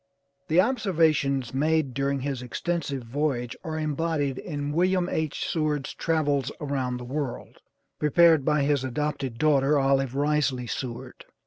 The observations made during this extensive voyage are embodied in "Wm. H. Seward's Travels around the World," prepared by his adopted daughter, Olive Risley Seward.